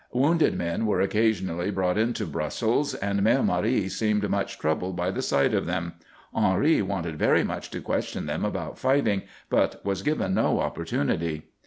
Wounded men were occasionally brought in to Brussels, and Mère Marie seemed much troubled by the sight of them. Henri wanted very much to question them about fighting but was given no opportunity.